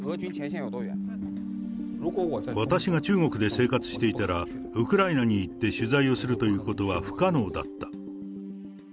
私が中国で生活していたら、ウクライナに行って取材をするということは不可能だった。